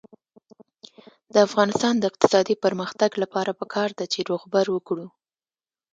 د افغانستان د اقتصادي پرمختګ لپاره پکار ده چې روغبړ وکړو.